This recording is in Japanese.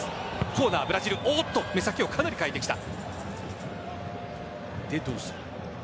コーナー、ブラジル目先をかなり変えてきた。